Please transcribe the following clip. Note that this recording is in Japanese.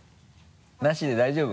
なしで大丈夫？